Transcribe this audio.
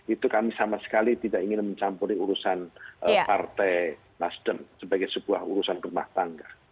itu kami sama sekali tidak ingin mencampuri urusan partai nasdem sebagai sebuah urusan rumah tangga